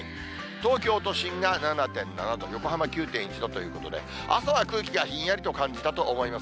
東京都心が７．７度、横浜９．１度ということで、朝は空気がひんやりと感じたと思います。